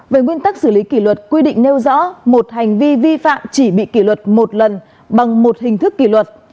về nguyên tắc xử lý kỷ luật quy định nêu rõ một hành vi vi phạm chỉ bị kỷ luật một lần bằng một hình thức kỷ luật